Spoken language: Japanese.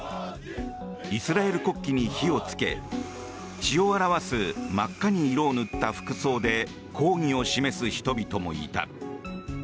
イスラエル国旗に火を付け血を表す、真っ赤に色を塗った服装で抗議を示す人々もいた。